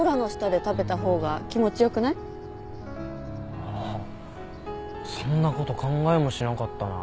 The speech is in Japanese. ああそんなこと考えもしなかったな。